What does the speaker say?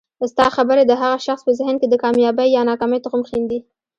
ستا خبري د هغه شخص په ذهن کي د کامیابۍ یا ناکامۍ تخم ښیندي